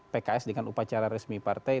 pks dengan upacara resmi partai